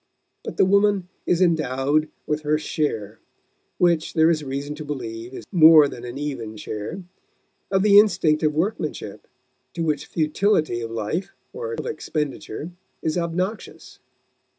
But the woman is endowed with her share which there is reason to believe is more than an even share of the instinct of workmanship, to which futility of life or of expenditure is obnoxious.